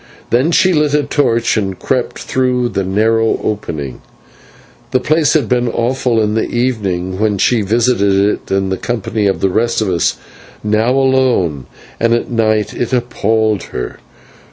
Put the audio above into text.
Then she lit a torch and crept through the narrow opening. The place had been awful in the evening when she visited it in the company of the rest of us. Now, alone and at night, it appalled her.